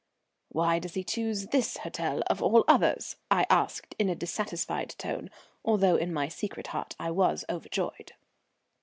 "Why does he choose this hotel of all others?" I asked in a dissatisfied tone, although in my secret heart I was overjoyed.